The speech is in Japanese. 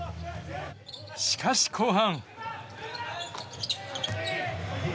しかし後半。